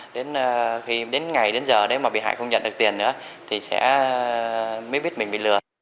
đến khi đến ngày đến giờ đấy mà bị hại không nhận được tiền nữa thì sẽ mới biết mình bị lừa